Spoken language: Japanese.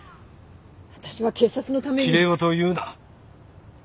私は警察のためにきれいごとを言うな！